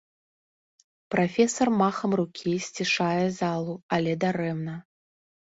Прафесар махам рукі сцішае залу, але дарэмна.